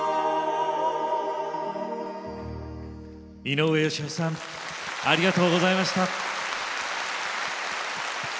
井上芳雄さんありがとうございました。